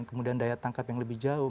kemudian daya tangkap yang lebih jauh